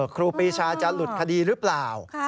ครูปีชาจะหลุดคดีหรือเปล่า